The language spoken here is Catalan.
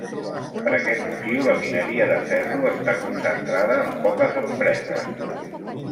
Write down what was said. Per aquest motiu la mineria de ferro està concentrada en poques empreses.